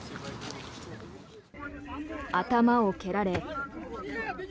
頭を蹴られ。